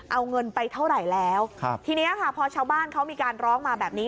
เอาเงินไปเท่าไหร่แล้วครับทีนี้ค่ะพอชาวบ้านเขามีการร้องมาแบบนี้